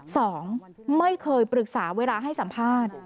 สองไม่เคยปรึกษาเวลาให้สัมภาษณ์